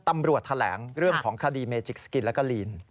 ตำรวจแถลงเรื่องของคดีเมจิกสกินแล้วก็ลีน